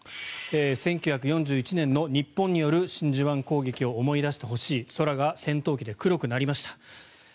１９４１年の日本による真珠湾攻撃を思い出してほしい空が戦闘機で黒くなりました。